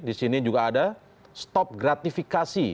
di sini juga ada stop gratifikasi